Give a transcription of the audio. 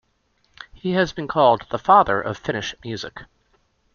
He has been called the "Father of Finnish music".